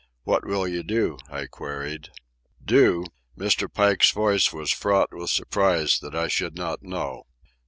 "What will you do?" I queried. "Do?" Mr. Pike's voice was fraught with surprise that I should not know.